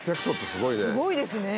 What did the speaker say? すごいですね！